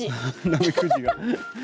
ナメクジが。